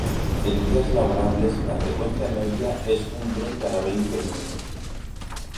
En días laborables la frecuencia media es un tren cada veinte minutos.